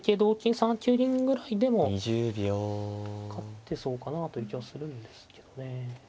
３九銀ぐらいでも勝ってそうかなという気はするんですけどね。